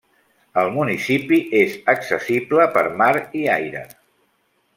El municipi és accessible per mar i aire.